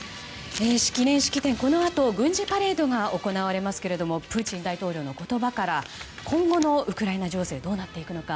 記念式典、このあと軍事パレードが行われますけれどもプーチン大統領の言葉から今後のウクライナ情勢どうなっていくのか。